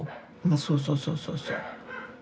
そうそうそうそうそう。